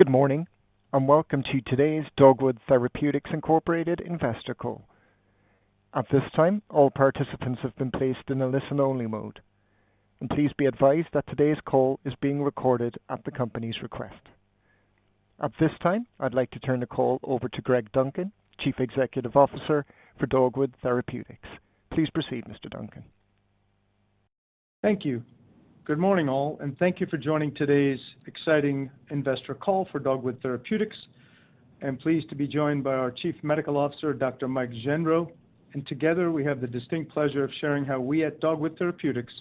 Good morning, and welcome to today's Dogwood Therapeutics Incorporated Investor Call. At this time, all participants have been placed in the listen-only mode, and please be advised that today's call is being recorded at the company's request. At this time, I'd like to turn the call over to Greg Duncan, Chief Executive Officer for Dogwood Therapeutics. Please proceed, Mr. Duncan. Thank you. Good morning, all, and thank you for joining today's exciting investor call for Dogwood Therapeutics. I'm pleased to be joined by our Chief Medical Officer, Dr. Mike Gendreau, and together we have the distinct pleasure of sharing how we at Dogwood Therapeutics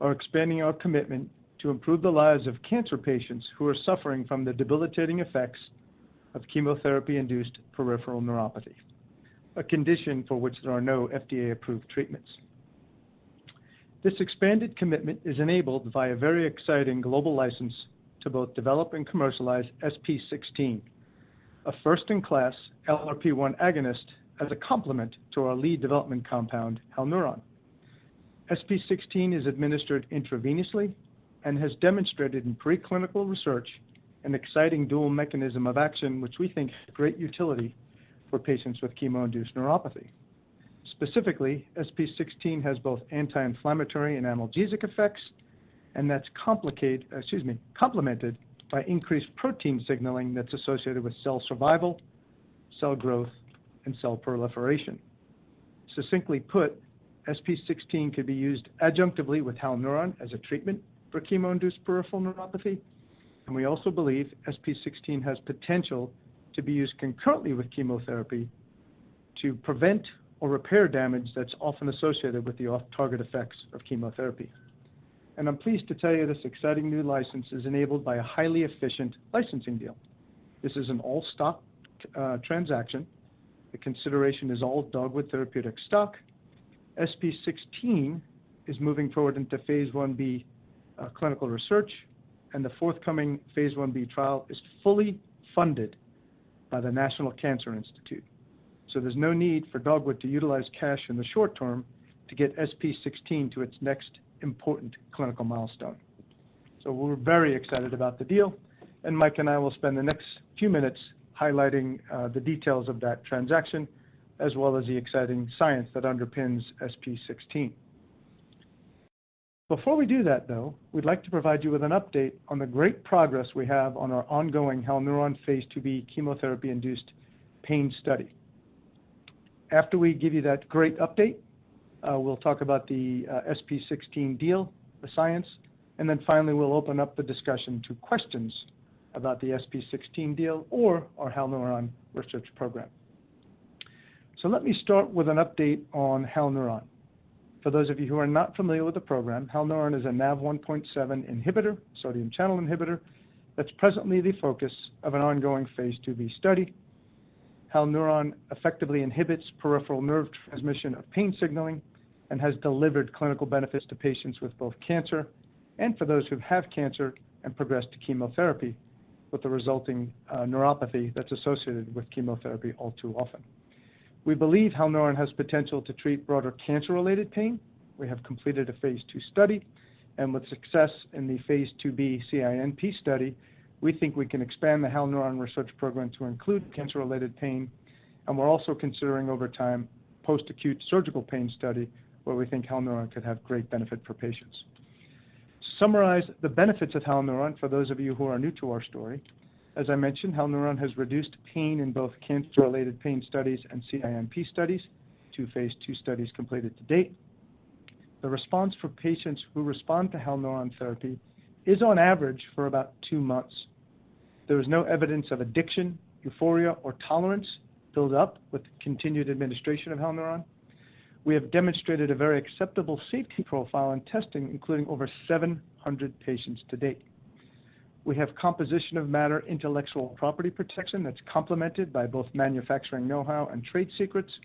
are expanding our commitment to improve the lives of cancer patients who are suffering from the debilitating effects of chemotherapy-induced peripheral neuropathy, a condition for which there are no FDA-approved treatments. This expanded commitment is enabled by a very exciting global license to both develop and commercialize SP16, a first-in-class LRP1 agonist as a complement to our lead development compound, Halneuron. SP16 is administered intravenously and has demonstrated in preclinical research an exciting dual mechanism of action which we think has great utility for patients with chemo-induced neuropathy. Specifically, SP16 has both anti-inflammatory and analgesic effects, and that's complicated, excuse me, complemented by increased protein signaling that's associated with cell survival, cell growth, and cell proliferation. Succinctly put, SP16 could be used adjunctively with Halneuron as a treatment for chemo-induced peripheral neuropathy, and we also believe SP16 has potential to be used concurrently with chemotherapy to prevent or repair damage that's often associated with the off-target effects of chemotherapy, and I'm pleased to tell you this exciting new license is enabled by a highly efficient licensing deal. This is an all-stock transaction. The consideration is all Dogwood Therapeutics stock. SP16 is moving forward into phase I-B clinical research, and the forthcoming phase I-B trial is fully funded by the National Cancer Institute, so there's no need for Dogwood to utilize cash in the short term to get SP16 to its next important clinical milestone. We're very excited about the deal, and Mike and I will spend the next few minutes highlighting the details of that transaction as well as the exciting science that underpins SP16. Before we do that, though, we'd like to provide you with an update on the great progress we have on our ongoing Halneuron phase II-B chemotherapy-induced pain study. After we give you that great update, we'll talk about the SP16 deal, the science, and then finally we'll open up the discussion to questions about the SP16 deal or our Halneuron research program. So let me start with an update on Halneuron. For those of you who are not familiar with the program, Halneuron is a Nav1.7 inhibitor, sodium channel inhibitor, that's presently the focus of an ongoing phase II-B study. Halneuron effectively inhibits peripheral nerve transmission of pain signaling and has delivered clinical benefits to patients with both cancer and for those who have cancer and progressed to chemotherapy with the resulting neuropathy that's associated with chemotherapy all too often. We believe Halneuron has potential to treat broader cancer-related pain. We have completed a phase II study, and with success in the phase II-B CINP study, we think we can expand the Halneuron research program to include cancer-related pain, and we're also considering over time post-acute surgical pain study where we think Halneuron could have great benefit for patients. To summarize the benefits of Halneuron, for those of you who are new to our story, as I mentioned, Halneuron has reduced pain in both cancer-related pain studies and CINP studies. Two phase II studies completed to date. The response for patients who respond to Halneuron therapy is on average for about two months. There is no evidence of addiction, euphoria, or tolerance built up with continued administration of Halneuron. We have demonstrated a very acceptable safety profile in testing, including over 700 patients to date. We have composition of matter intellectual property protection that's complemented by both manufacturing know-how and trade secrets,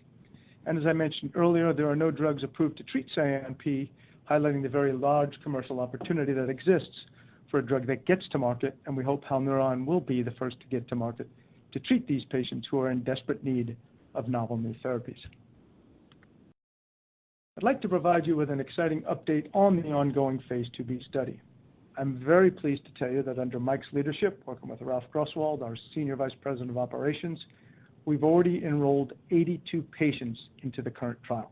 and as I mentioned earlier, there are no drugs approved to treat CINP, highlighting the very large commercial opportunity that exists for a drug that gets to market, and we hope Halneuron will be the first to get to market to treat these patients who are in desperate need of novel new therapies. I'd like to provide you with an exciting update on the ongoing phase II-B study. I'm very pleased to tell you that under Mike's leadership, working with Ralph Grosswald, our Senior Vice President of Operations, we've already enrolled 82 patients into the current trial.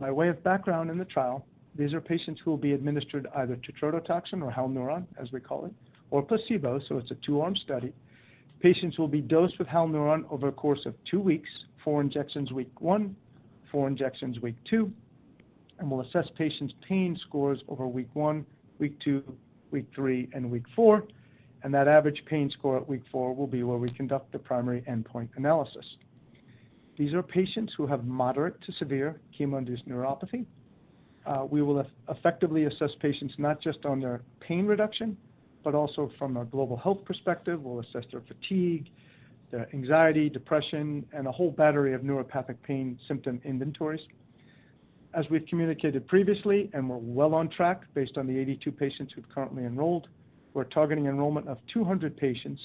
By way of background in the trial, these are patients who will be administered either tetrodotoxin or Halneuron, as we call it, or placebo, so it's a two-arm study. Patients will be dosed with Halneuron over a course of two weeks, four injections week one, four injections week two, and we'll assess patients' pain scores over week one, week two, week three, and week four, and that average pain score at week four will be where we conduct the primary endpoint analysis. These are patients who have moderate to severe chemo-induced neuropathy. We will effectively assess patients not just on their pain reduction, but also from a global health perspective. We'll assess their fatigue, their anxiety, depression, and a whole battery of neuropathic pain symptom inventories. As we've communicated previously, and we're well on track based on the 82 patients who've currently enrolled, we're targeting enrollment of 200 patients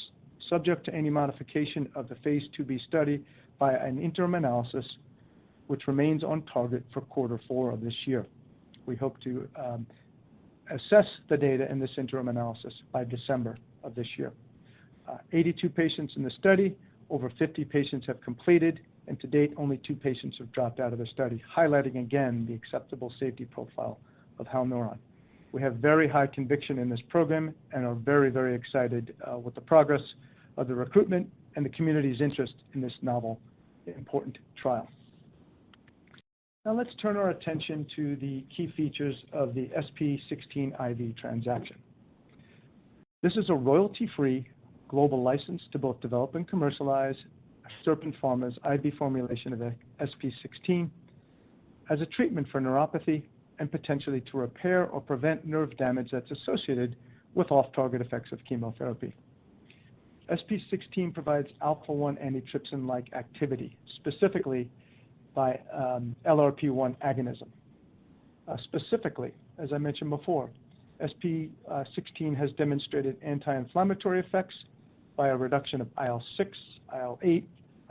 subject to any modification of the phase II-B study by an interim analysis, which remains on target for quarter four of this year. We hope to assess the data in this interim analysis by December of this year. 82 patients in the study, over 50 patients have completed, and to date, only two patients have dropped out of the study, highlighting again the acceptable safety profile of Halneuron. We have very high conviction in this program and are very, very excited with the progress of the recruitment and the community's interest in this novel, important trial. Now let's turn our attention to the key features of the SP16 IV transaction. This is a royalty-free global license to both develop and commercialize Serpin Pharma's IV formulation of SP16 as a treatment for neuropathy and potentially to repair or prevent nerve damage that's associated with off-target effects of chemotherapy. SP16 provides alpha-1 antitrypsin-like activity, specifically by LRP1 agonism. Specifically, as I mentioned before, SP16 has demonstrated anti-inflammatory effects by a reduction of IL-6, IL-8,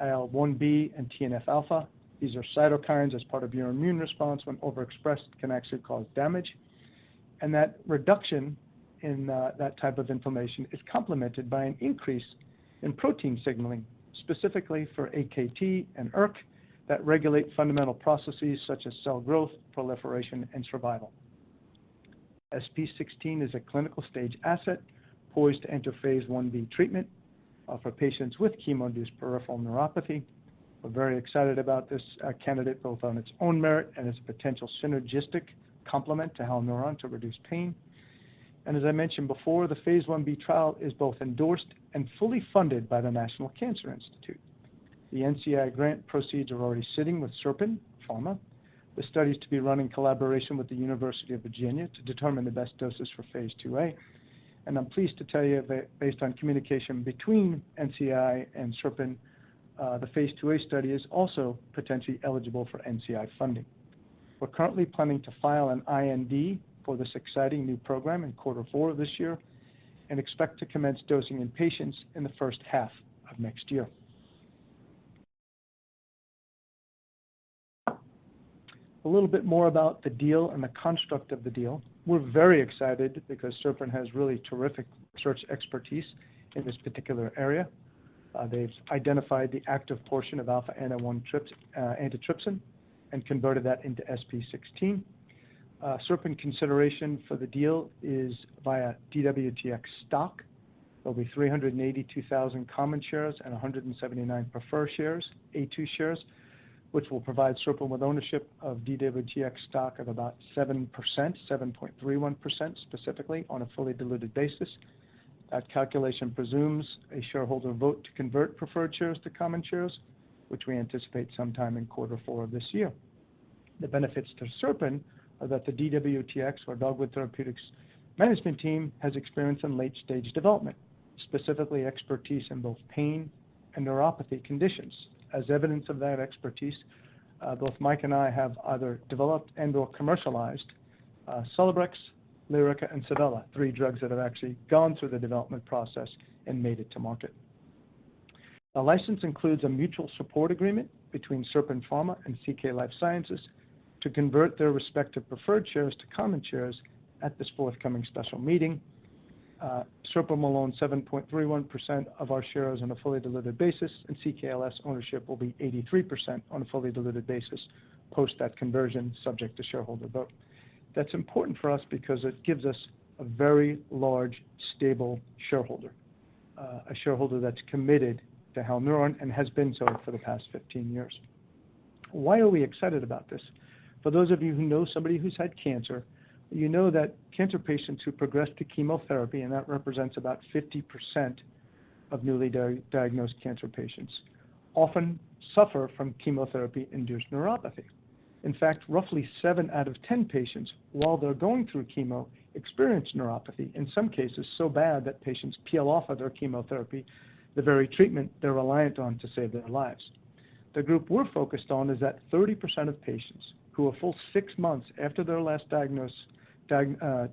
IL-1B, and TNF-alpha. These are cytokines as part of your immune response when overexpressed can actually cause damage, and that reduction in that type of inflammation is complemented by an increase in protein signaling, specifically for AKT and ERK, that regulate fundamental processes such as cell growth, proliferation, and survival. SP16 is a clinical stage asset poised to enter phase I-B treatment for patients with chemo-induced peripheral neuropathy. We're very excited about this candidate both on its own merit and its potential synergistic complement to Halneuron to reduce pain. As I mentioned before, the phase I-B trial is both endorsed and fully funded by the National Cancer Institute. The NCI grant proceeds are already sitting with Serpin Pharma. The study is to be run in collaboration with the University of Virginia to determine the best doses for phase II-A, and I'm pleased to tell you that based on communication between NCI and Serpin, the phase II-A study is also potentially eligible for NCI funding. We're currently planning to file an IND for this exciting new program in quarter four of this year and expect to commence dosing in patients in the first half of next year. A little bit more about the deal and the construct of the deal. We're very excited because Serpin has really terrific research expertise in this particular area. They've identified the active portion of alpha-1 antitrypsin and converted that into SP16. Serpin consideration for the deal is via DWTX stock. There'll be 382,000 common shares and 179 preferred shares, A2 shares, which will provide Serpin with ownership of DWTX stock of about 7%, 7.31% specifically, on a fully diluted basis. That calculation presumes a shareholder vote to convert preferred shares to common shares, which we anticipate sometime in quarter four of this year. The benefits to Serpin are that the DWTX or Dogwood Therapeutics management team has experience in late-stage development, specifically expertise in both pain and neuropathy conditions. As evidence of that expertise, both Mike and I have either developed and/or commercialized Celebrex, Lyrica, and Savella, three drugs that have actually gone through the development process and made it to market. The license includes a mutual support agreement between Serpin Pharma and CK Life Sciences to convert their respective preferred shares to common shares at this forthcoming special meeting. Serpin will own 7.31% of our shares on a fully diluted basis, and CKLS ownership will be 83% on a fully diluted basis post that conversion, subject to shareholder vote. That's important for us because it gives us a very large, stable shareholder, a shareholder that's committed to Halneuron and has been so for the past 15 years. Why are we excited about this? For those of you who know somebody who's had cancer, you know that cancer patients who progress to chemotherapy, and that represents about 50% of newly diagnosed cancer patients, often suffer from chemotherapy-induced neuropathy. In fact, roughly seven out of 10 patients, while they're going through chemo, experience neuropathy, in some cases so bad that patients peel off of their chemotherapy, the very treatment they're reliant on to save their lives. The group we're focused on is that 30% of patients who are full six months after their last diagnosed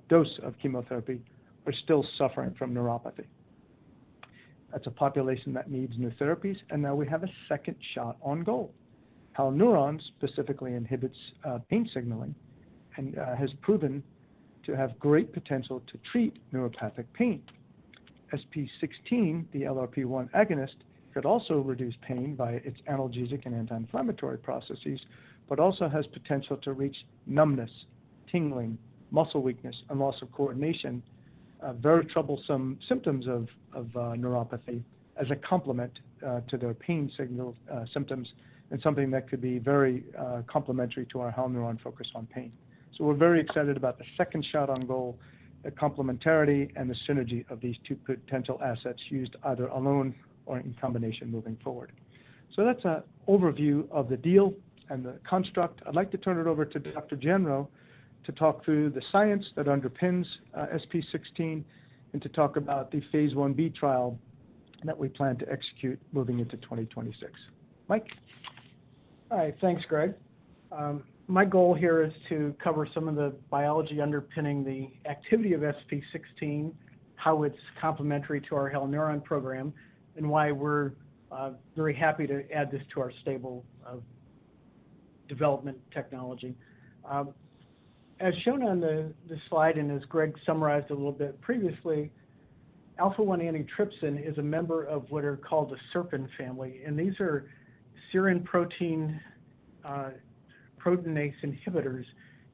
dose of chemotherapy are still suffering from neuropathy. That's a population that needs new therapies, and now we have a second shot on goal. Halneuron specifically inhibits pain signaling and has proven to have great potential to treat neuropathic pain. SP16, the LRP1 agonist, could also reduce pain by its analgesic and anti-inflammatory processes, but also has potential to reach numbness, tingling, muscle weakness, and loss of coordination, very troublesome symptoms of neuropathy as a complement to their pain symptoms and something that could be very complementary to our Halneuron focus on pain. So we're very excited about the second shot on goal, the complementarity and the synergy of these two potential assets used either alone or in combination moving forward. So that's an overview of the deal and the construct. I'd like to turn it over to Dr. Gendreau to talk through the science that underpins SP16 and to talk about the phase I-B trial that we plan to execute moving into 2026. Mike. Hi, thanks, Greg. My goal here is to cover some of the biology underpinning the activity of SP16, how it's complementary to our Halneuron program, and why we're very happy to add this to our stable development technology. As shown on the slide and as Greg summarized a little bit previously, alpha-1 antitrypsin is a member of what are called the Serpin family, and these are serine proteinase inhibitors,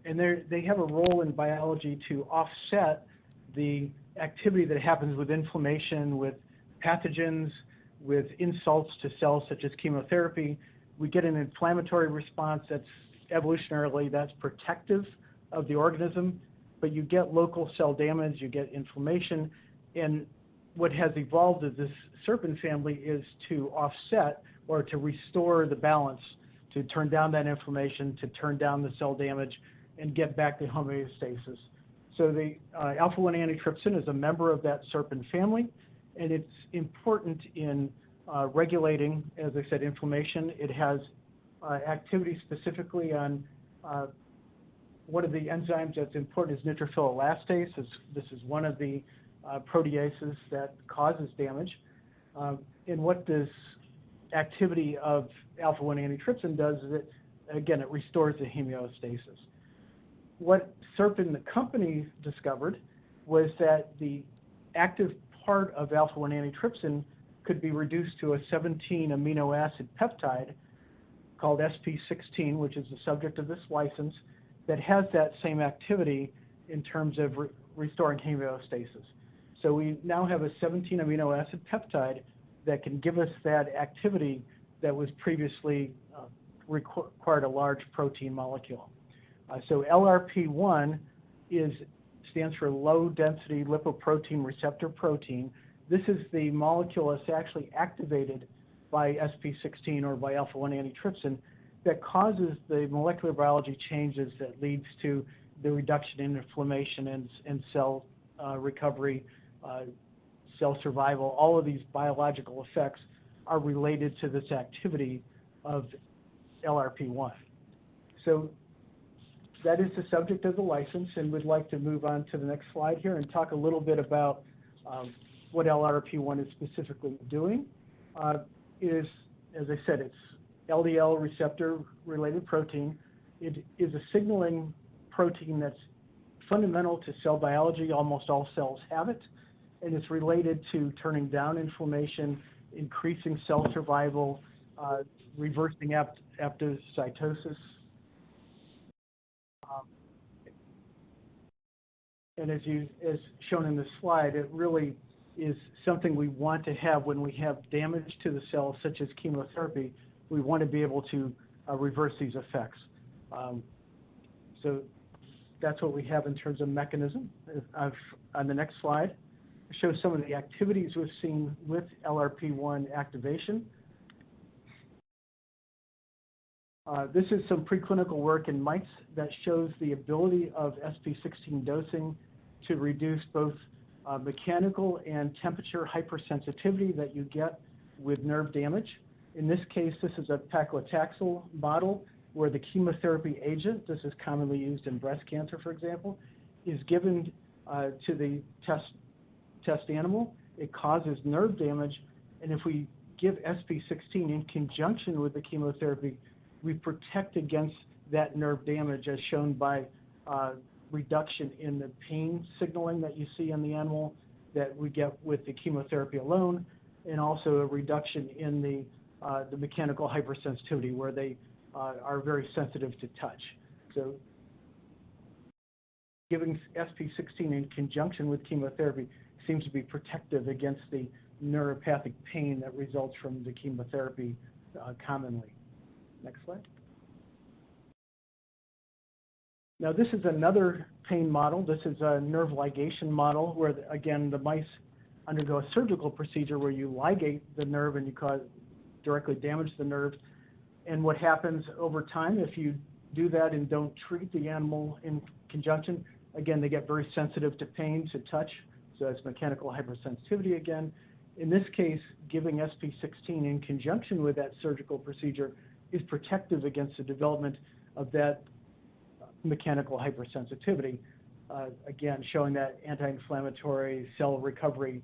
and they have a role in biology to offset the activity that happens with inflammation, with pathogens, with insults to cells such as chemotherapy. We get an inflammatory response that's evolutionarily protective of the organism, but you get local cell damage, you get inflammation, and what has evolved of this Serpin family is to offset or to restore the balance, to turn down that inflammation, to turn down the cell damage, and get back the homeostasis. So the alpha-1 antitrypsin is a member of that Serpin family, and it's important in regulating, as I said, inflammation. It has activity specifically on one of the enzymes that's important is neutrophil elastase. This is one of the proteases that causes damage. And what this activity of alpha-1 antitrypsin does is that, again, it restores the homeostasis. What Serpin and the company discovered was that the active part of alpha-1 antitrypsin could be reduced to a 17-amino acid peptide called SP16, which is the subject of this license, that has that same activity in terms of restoring homeostasis. So we now have a 17-amino acid peptide that can give us that activity that was previously required a large protein molecule. So LRP1 stands for low-density lipoprotein receptor-related protein 1. This is the molecule that's actually activated by SP16 or by alpha-1 antitrypsin that causes the molecular biology changes that lead to the reduction in inflammation and cell recovery, cell survival. All of these biological effects are related to this activity of LRP1, so that is the subject of the license, and we'd like to move on to the next slide here and talk a little bit about what LRP1 is specifically doing. As I said, it's LDL receptor-related protein. It is a signaling protein that's fundamental to cell biology. Almost all cells have it, and it's related to turning down inflammation, increasing cell survival, reversing apoptosis, and as shown in this slide, it really is something we want to have when we have damage to the cells, such as chemotherapy. We want to be able to reverse these effects, so that's what we have in terms of mechanism. On the next slide, it shows some of the activities we've seen with LRP1 activation. This is some preclinical work in mice that shows the ability of SP16 dosing to reduce both mechanical and temperature hypersensitivity that you get with nerve damage. In this case, this is a paclitaxel model where the chemotherapy agent, this is commonly used in breast cancer, for example, is given to the test animal. It causes nerve damage, and if we give SP16 in conjunction with the chemotherapy, we protect against that nerve damage, as shown by reduction in the pain signaling that you see in the animal that we get with the chemotherapy alone, and also a reduction in the mechanical hypersensitivity where they are very sensitive to touch. So giving SP16 in conjunction with chemotherapy seems to be protective against the neuropathic pain that results from the chemotherapy commonly. Next slide. Now, this is another pain model. This is a nerve ligation model where, again, the mice undergo a surgical procedure where you ligate the nerve and you directly damage the nerve, and what happens over time, if you do that and don't treat the animal in conjunction, again, they get very sensitive to pain, to touch, so that's mechanical hypersensitivity again. In this case, giving SP16 in conjunction with that surgical procedure is protective against the development of that mechanical hypersensitivity, again, showing that anti-inflammatory cell recovery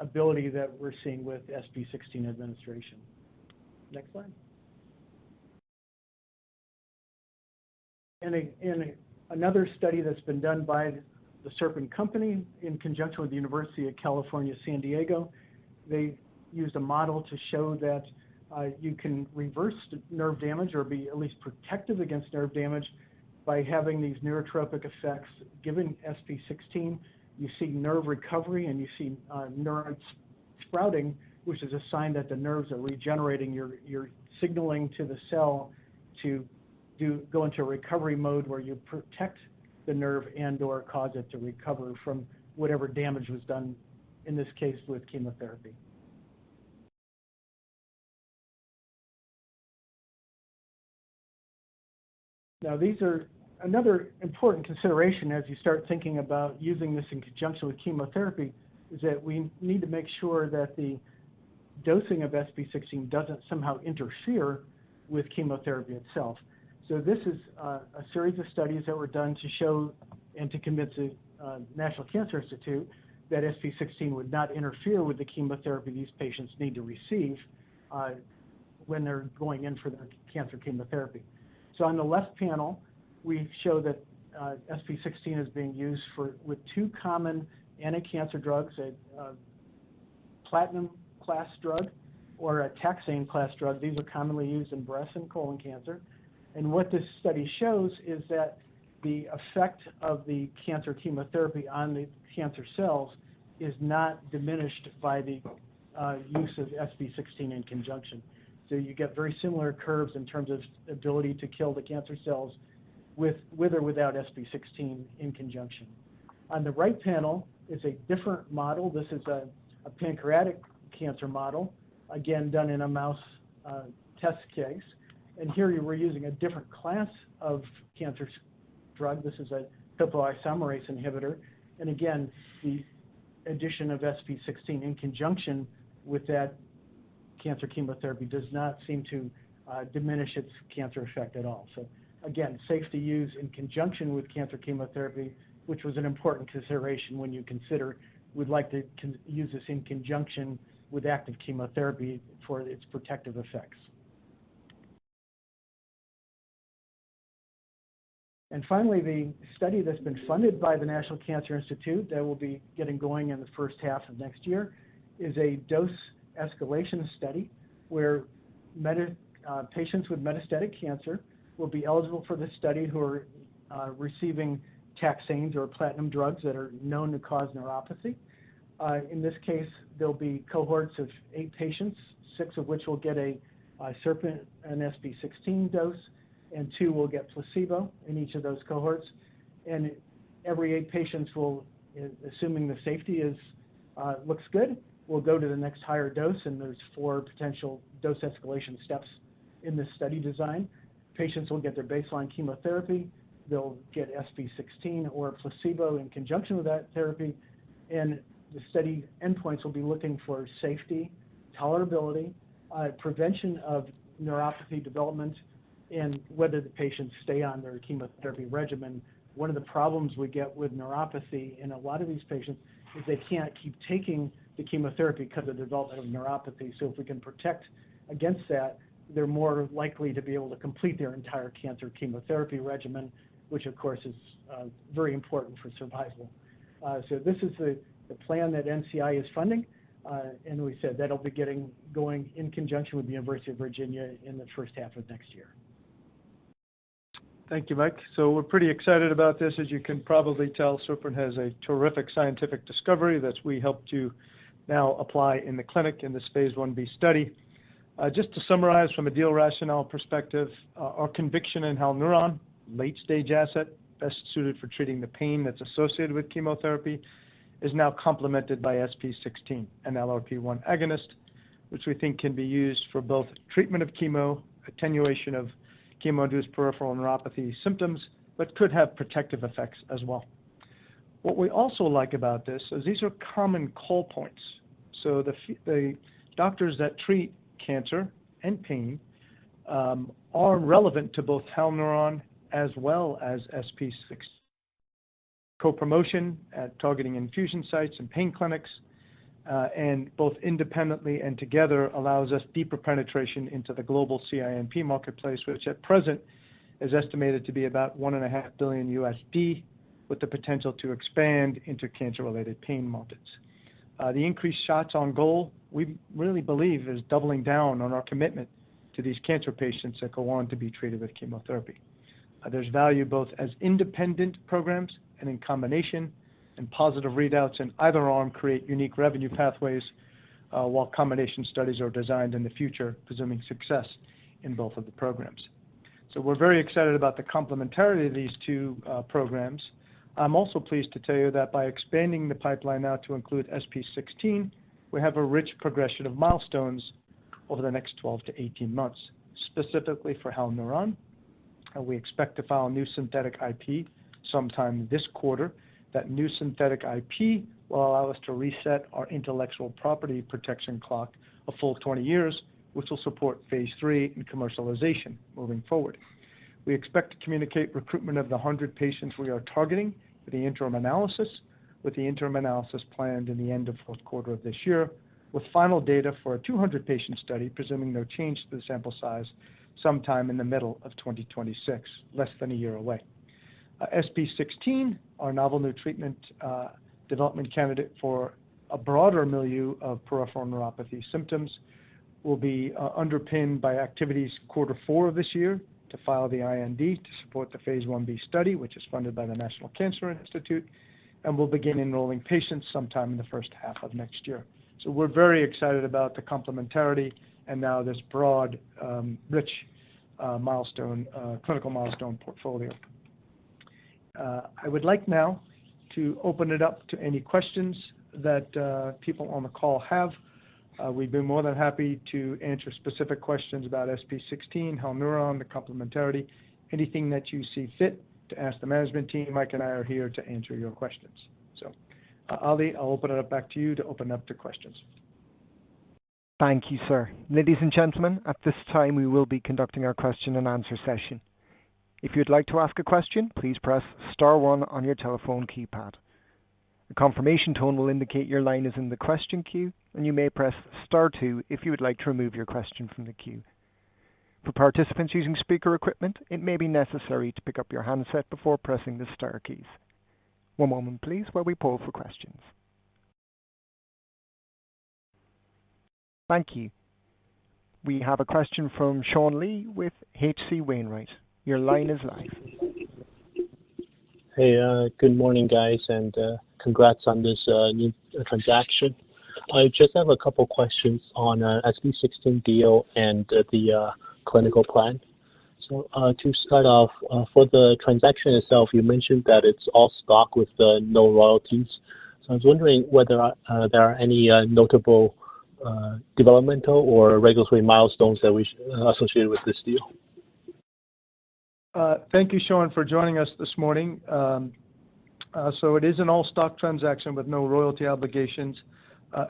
ability that we're seeing with SP16 administration. Next slide. In another study that's been done by the Serpin Pharma in conjunction with the University of California, San Diego, they used a model to show that you can reverse nerve damage or be at least protective against nerve damage by having these neurotropic effects. Given SP16, you see nerve recovery and you see neurons sprouting, which is a sign that the nerves are regenerating. You're signaling to the cell to go into recovery mode where you protect the nerve and/or cause it to recover from whatever damage was done, in this case, with chemotherapy. Now, another important consideration as you start thinking about using this in conjunction with chemotherapy is that we need to make sure that the dosing of SP16 doesn't somehow interfere with chemotherapy itself. So this is a series of studies that were done to show and to convince the National Cancer Institute that SP16 would not interfere with the chemotherapy these patients need to receive when they're going in for their cancer chemotherapy. So on the left panel, we show that SP16 is being used with two common anticancer drugs, a platinum-class drug or a taxane-class drug. These are commonly used in breast and colon cancer. And what this study shows is that the effect of the cancer chemotherapy on the cancer cells is not diminished by the use of SP16 in conjunction. So you get very similar curves in terms of ability to kill the cancer cells with or without SP16 in conjunction. On the right panel is a different model. This is a pancreatic cancer model, again, done in a mouse model. And here we're using a different class of cancer drug. This is a PI3K inhibitor. And again, the addition of SP16 in conjunction with that cancer chemotherapy does not seem to diminish its cancer effect at all. So again, safe to use in conjunction with cancer chemotherapy, which was an important consideration when you consider we'd like to use this in conjunction with active chemotherapy for its protective effects. Finally, the study that's been funded by the National Cancer Institute that we'll be getting going in the first half of next year is a dose escalation study where patients with metastatic cancer will be eligible for the study who are receiving taxanes or platinum drugs that are known to cause neuropathy. In this case, there'll be cohorts of eight patients, six of which will get a Serpin SP16 dose, and two will get placebo in each of those cohorts. Every eight patients will, assuming the safety looks good, go to the next higher dose, and there's four potential dose escalation steps in this study design. Patients will get their baseline chemotherapy. They'll get SP16 or placebo in conjunction with that therapy. The study endpoints will be looking for safety, tolerability, prevention of neuropathy development, and whether the patients stay on their chemotherapy regimen. One of the problems we get with neuropathy in a lot of these patients is they can't keep taking the chemotherapy because of the development of neuropathy. So if we can protect against that, they're more likely to be able to complete their entire cancer chemotherapy regimen, which, of course, is very important for survival. So this is the plan that NCI is funding, and we said that'll be going in conjunction with the University of Virginia in the first half of next year. Thank you, Mike. So we're pretty excited about this. As you can probably tell, Serpin has a terrific scientific discovery that we helped you now apply in the clinic in this phase I-B study. Just to summarize from a deal rationale perspective, our conviction in Halneuron, late-stage asset best suited for treating the pain that's associated with chemotherapy, is now complemented by SP16, an LRP1 agonist, which we think can be used for both treatment of chemo, attenuation of chemo-induced peripheral neuropathy symptoms, but could have protective effects as well. What we also like about this is these are common call points. So the doctors that treat cancer and pain are relevant to both Halneuron as well as SP16. Co-promotion at targeting infusion sites and pain clinics, and both independently and together, allows us deeper penetration into the global CINP marketplace, which at present is estimated to be about $1.5 billion, with the potential to expand into cancer-related pain markets. The increased shots on goal, we really believe, is doubling down on our commitment to these cancer patients that go on to be treated with chemotherapy. There's value both as independent programs and in combination, and positive readouts in either arm create unique revenue pathways while combination studies are designed in the future, presuming success in both of the programs. So we're very excited about the complementarity of these two programs. I'm also pleased to tell you that by expanding the pipeline now to include SP16, we have a rich progression of milestones over the next 12 to 18 months, specifically for Halneuron. We expect to file new synthetic IP sometime this quarter. That new synthetic IP will allow us to reset our intellectual property protection clock a full 20 years, which will support phase III and commercialization moving forward. We expect to communicate recruitment of the 100 patients we are targeting with the interim analysis, with the interim analysis planned in the end of the fourth quarter of this year, with final data for a 200-patient study, presuming no change to the sample size, sometime in the middle of 2026, less than a year away. SP16, our novel new treatment development candidate for a broader milieu of peripheral neuropathy symptoms, will be underpinned by activities quarter four of this year to file the IND to support the phase I-B study, which is funded by the National Cancer Institute, and will begin enrolling patients sometime in the first half of next year. So we're very excited about the complementarity and now this broad, rich clinical milestone portfolio. I would like now to open it up to any questions that people on the call have. We'd be more than happy to answer specific questions about SP16, Halneuron, the complementarity, anything that you see fit to ask the management team. Mike and I are here to answer your questions. So Ali, I'll open it up back to you to open up to questions. Thank you, sir. Ladies and gentlemen, at this time, we will be conducting our question-and-answer session. If you'd like to ask a question, please press star one on your telephone keypad. A confirmation tone will indicate your line is in the question queue, and you may press star two if you would like to remove your question from the queue. For participants using speaker equipment, it may be necessary to pick up your handset before pressing the star keys. One moment, please, while we poll for questions. Thank you. We have a question from Sean Lee with H.C. Wainwright. Your line is live. Hey, good morning, guys, and congrats on this new transaction. I just have a couple of questions on SP16 deal and the clinical plan. So to start off, for the transaction itself, you mentioned that it's all stock with no royalties. So I was wondering whether there are any notable developmental or regulatory milestones associated with this deal. Thank you, Sean, for joining us this morning. It is an all-stock transaction with no royalty obligations,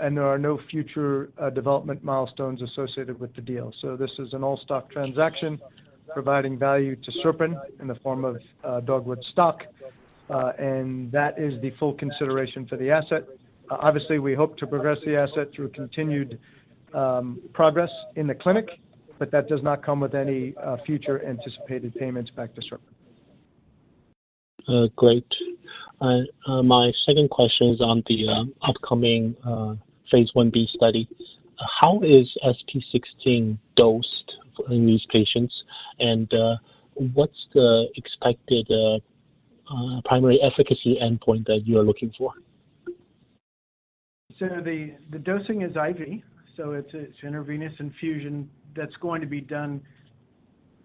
and there are no future development milestones associated with the deal. This is an all-stock transaction providing value to Serpin in the form of Dogwood stock, and that is the full consideration for the asset. Obviously, we hope to progress the asset through continued progress in the clinic, but that does not come with any future anticipated payments back to Serpin. Great. My second question is on the upcoming phase I-B study. How is SP16 dosed in these patients, and what's the expected primary efficacy endpoint that you are looking for? So the dosing is IV, so it's an intravenous infusion that's going to be done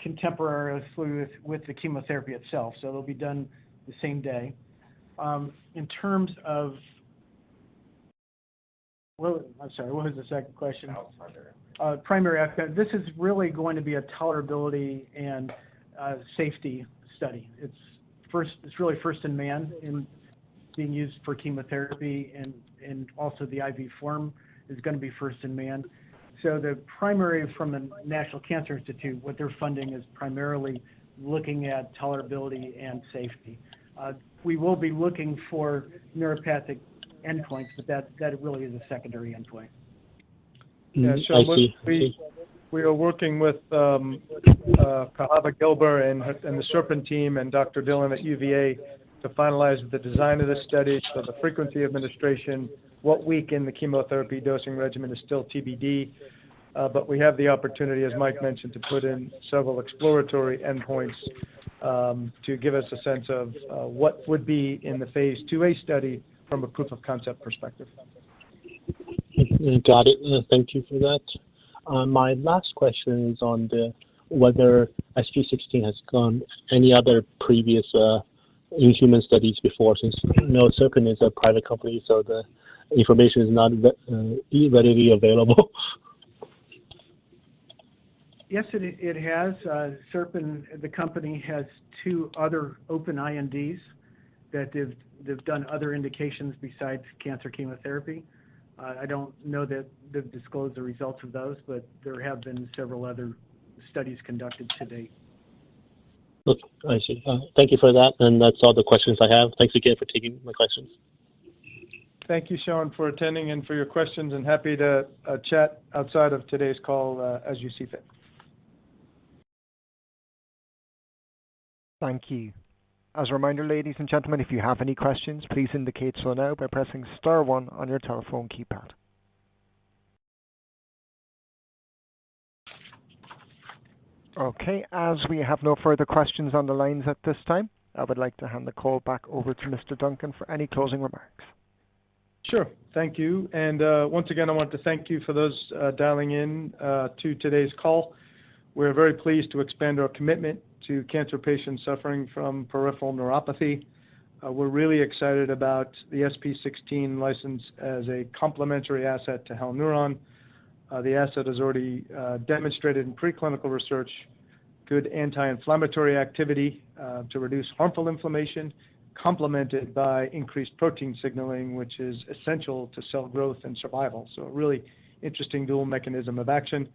contemporarily with the chemotherapy itself. So it'll be done the same day. In terms of, well, I'm sorry, what was the second question? Primary efficacy. Primary efficacy. This is really going to be a tolerability and safety study. It's really first in man in being used for chemotherapy, and also the IV form is going to be first in man. So the primary from the National Cancer Institute, what they're funding is primarily looking at tolerability and safety. We will be looking for neuropathic endpoints, but that really is a secondary endpoint. Thank you. We are working with Cohava Gelber and the Serpin team and Dr. Dillon at UVA to finalize the design of this study, so the frequency of administration, what week in the chemotherapy dosing regimen is still TBD, but we have the opportunity, as Mike mentioned, to put in several exploratory endpoints to give us a sense of what would be in the phase II-A study from a proof-of-concept perspective. Got it. Thank you for that. My last question is on whether SP16 has gone any other previous in human studies before, since Serpin is a private company, so the information is not readily available? Yes, it has. Serpin, the company, has two other open INDs that have done other indications besides cancer chemotherapy. I don't know that they've disclosed the results of those, but there have been several other studies conducted to date. I see. Thank you for that. And that's all the questions I have. Thanks again for taking my questions. Thank you, Sean, for attending and for your questions, and happy to chat outside of today's call as you see fit. Thank you. As a reminder, ladies and gentlemen, if you have any questions, please indicate so now by pressing star one on your telephone keypad. Okay. As we have no further questions on the lines at this time, I would like to hand the call back over to Mr. Duncan for any closing remarks. Sure. Thank you. And once again, I want to thank you for those dialing in to today's call. We're very pleased to expand our commitment to cancer patients suffering from peripheral neuropathy. We're really excited about the SP16 license as a complementary asset to Halneuron. The asset has already demonstrated in preclinical research good anti-inflammatory activity to reduce harmful inflammation, complemented by increased protein signaling, which is essential to cell growth and survival. So a really interesting dual mechanism of action.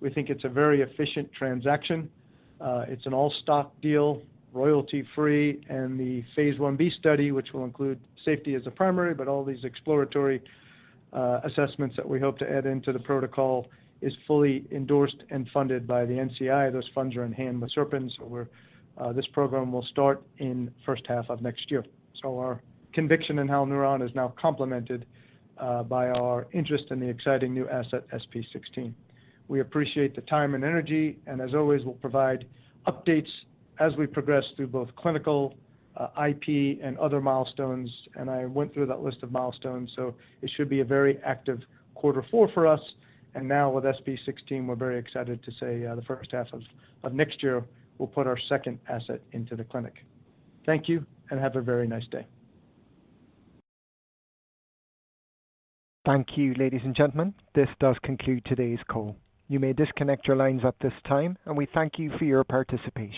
We think it's a very efficient transaction. It's an all-stock deal, royalty-free, and the phase I-B study, which will include safety as a primary, but all these exploratory assessments that we hope to add into the protocol, is fully endorsed and funded by the NCI. Those funds are in hand with Serpin, so this program will start in the first half of next year. So our conviction in Halneuron is now complemented by our interest in the exciting new asset, SP16. We appreciate the time and energy, and as always, we'll provide updates as we progress through both clinical, IP, and other milestones. And I went through that list of milestones, so it should be a very active quarter four for us. And now with SP16, we're very excited to say the first half of next year, we'll put our second asset into the clinic. Thank you and have a very nice day. Thank you, ladies and gentlemen. This does conclude today's call. You may disconnect your lines at this time, and we thank you for your participation.